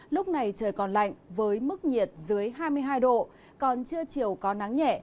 lúc này trời còn lạnh với mức nhiệt dưới hai mươi hai độ còn trưa chiều có nắng nhẹ